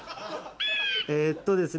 えっとですね